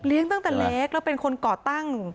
ตั้งแต่เล็กแล้วเป็นคนก่อตั้ง